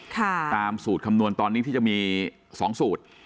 ตามสูตรคำนวณตอนนี้ที่จะมี๒สูตร